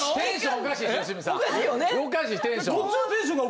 おかしいテンション